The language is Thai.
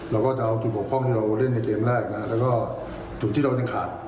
เราก็จะเอาจุดบกพร่องให้เราเล่นในเกมแรกนะแล้วก็จุดที่เรายังขาด